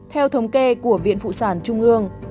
theo thống kê của viện phụ sản trung ương